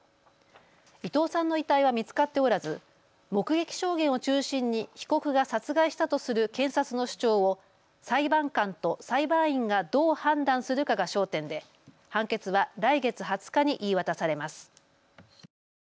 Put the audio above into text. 伊藤さんの遺体は見つかっておらず目撃証言を中心に被告が殺害したとする検察の主張を裁判官と裁判員がどう判断するかが焦点で判決は来月２０日に言い渡されます。